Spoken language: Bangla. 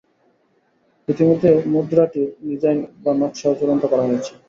ইতিমধ্যে মুদ্রাটির ডিজাইন বা নকশাও চূড়ান্ত করা হয়েছে।